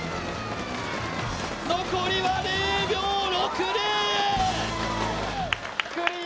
残りは０秒６０！